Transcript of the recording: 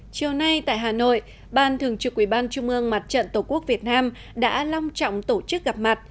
chiều nay tại hà nội ban thường trực ủy ban trung ương mặt trận tổ quốc việt nam đã long trọng tổ chức gặp mặt